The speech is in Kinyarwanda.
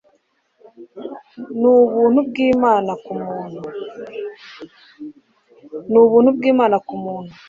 n'ubuntu bw'imana ku muntu